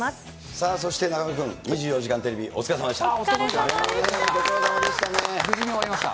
さあ、そして中丸君、２４時間テレビ、お疲れさまでした。